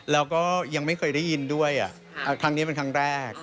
แล้วก็ยังไม่เคยได้ยินด้วยครั้งนี้เป็นครั้งแรก